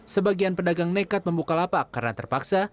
sebagian pedagang nekat membuka lapak karena terpaksa